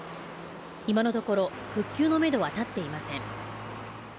今のところ、復旧のめどは立っていません。